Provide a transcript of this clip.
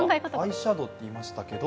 アイシャドウって言いましたけど。